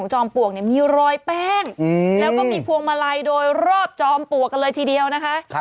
จอมปลวกกันเลยทีเดียวนะคะ